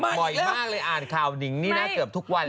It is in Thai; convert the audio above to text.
บ่อยมากเลยอ่านข่าวหนิงนี่นะเกือบทุกวัน